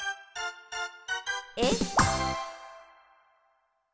えっ？